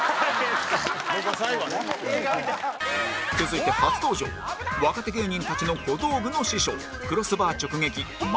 続いて初登場若手芸人たちの小道具の師匠クロスバー直撃前野